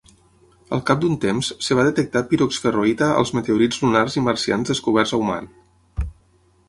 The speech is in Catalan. Al cap d'un temps, es va detectar piroxferroïta als meteorits lunars i marcians descoberts a Oman.